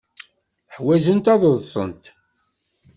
Ḥwajent ad ḍḍsent.